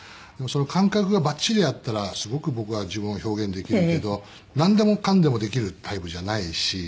でもその感覚がバッチリ合ったらすごく僕は自分を表現できるけどなんでもかんでもできるタイプじゃないし。